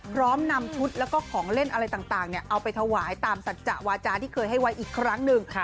พร้อมนำชุดแล้วก็ของเล่นอะไรต่างเอาไปถวายตามสัจจะวาจาที่เคยให้ไว้อีกครั้งหนึ่ง